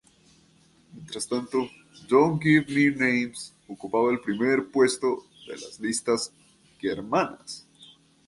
Mientras tanto, "Don't Give Me Names" ocupaba el primer puesto de las listas germanas.